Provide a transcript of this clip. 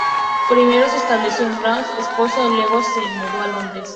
Primero se estableció en Glasgow, Escocia, y luego se mudó a Londres.